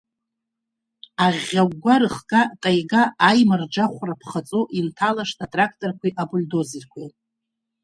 Аӷьӷьа-гәгәа рыхга, таига аимарџахәра ԥхаҵо, инҭалашт атракторқәеи абульдозерқәеи!